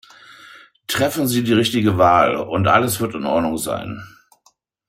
Treffen Sie die richtige Wahl und alles wird in Ordnung sein.